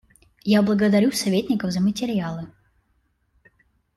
Я благодарю советников за материалы.